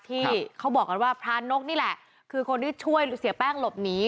ที่เขาบอกกันว่าพระนกนี่แหละคือคนที่ช่วยเสียแป้งหลบหนี